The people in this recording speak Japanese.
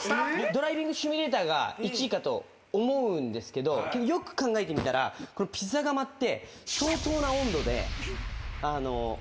ドライビングシミュレーターが１位かと思うんですけどよく考えてみたらピザ窯って。